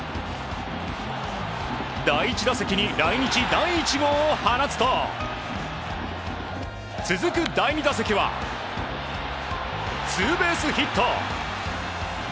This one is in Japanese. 第１打席に来日第１号を放つと続く第２打席はツーベースヒット！